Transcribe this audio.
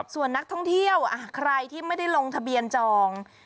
ส่วนนักท่องเที่ยวใครที่ไม่ได้ลงทะเบียนจอง